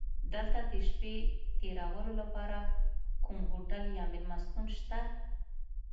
دلته د شپې تېرولو لپاره کوم هوټل یا میلمستون شته؟